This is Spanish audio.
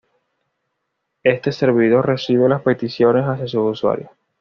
Este servidor recibe las peticiones hacia sus usuarios.